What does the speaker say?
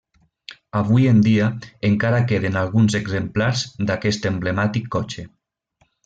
Avui en dia, encara queden alguns exemplars d'aquest emblemàtic cotxe.